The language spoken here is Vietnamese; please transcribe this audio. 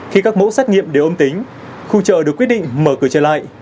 khi các mẫu xét nghiệm đều âm tính khu chợ được quyết định mở cửa trở lại